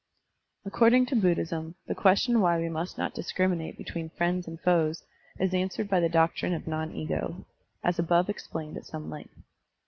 According to Buddhism, the question why we must not discriminate between friends and foes is answered by the doctrine of non ego, as above explained at some length.